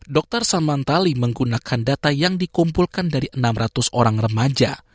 dr salmantali menggunakan data yang dikumpulkan dari enam ratus orang remaja